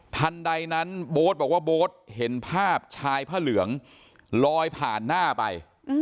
ทันใดนั้นโบ๊ทบอกว่าโบ๊ทเห็นภาพชายผ้าเหลืองลอยผ่านหน้าไป